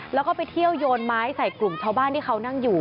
แล้วก็ไปเที่ยวโยนไม้ใส่กลุ่มชาวบ้านที่เขานั่งอยู่